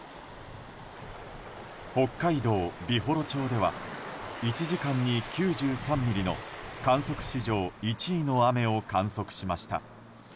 北海道美幌町では１時間に９３ミリの観測史上１位の雨を観測しました。